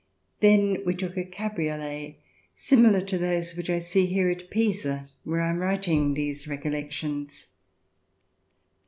Then we took a cabriolet similar to tho$e which I see here at Pisa where I am writing these Recollections.